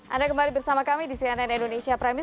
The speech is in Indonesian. anda kembali bersama kami di cnn indonesia pramu